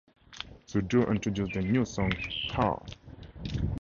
The duo introduced their new song, PoW!